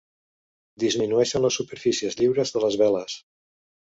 Disminueixin les superfícies lliures de les veles.